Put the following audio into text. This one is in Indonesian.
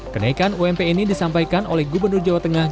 kenaikan ump ini disampaikan oleh gubernur jawa tengah